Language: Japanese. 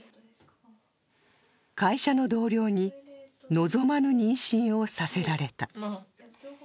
会社の同僚に望まぬ妊娠をさせられた。